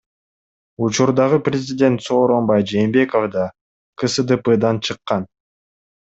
Учурдагы президент Сооронбай Жээнбеков да КСДПдан чыккан.